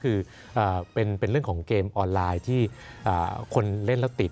คือเป็นเรื่องของเกมออนไลน์ที่คนเล่นแล้วติด